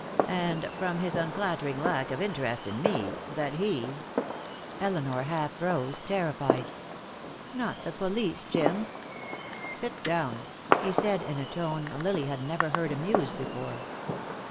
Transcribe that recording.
And from his unflattering lack of interest in me, that he " Elinor half rose, terrified. "Not the police, Jim?" "Sit down," he said, in a tone Lily had never heard him use before.